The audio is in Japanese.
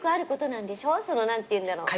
その何ていうんだろう。